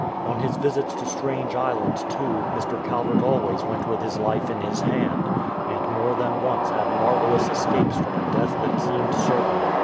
On his visits to strange islands, too, Mr. Calvert always went with his life in his hand, and more than once had marvellous escapes from a death that seemed certain.